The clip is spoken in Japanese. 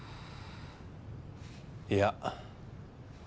いや。